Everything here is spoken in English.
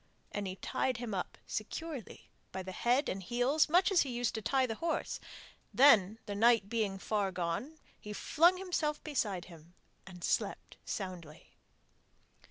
And he tied him up securely by the head and heels, much as he used to tie the horse; then, the night being far gone, he flung himself beside him and slept soundly.